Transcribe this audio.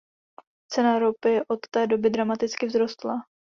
Cena ropy od té doby dramaticky vzrostla.